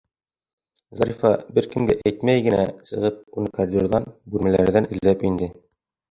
Зарифа, бер кемгә әйтмәй генә сығып, уны коридорҙан, бүлмәләрҙән эҙләп инде.